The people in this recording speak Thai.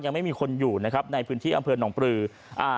ยังไม่มีคนอยู่นะครับในพื้นที่อำเภอหนองปลืออ่า